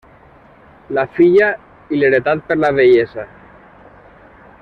La filla i l'heretat, per a la vellesa.